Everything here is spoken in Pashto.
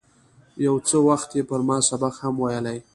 یو څه وخت یې پر ما سبق هم ویلی و.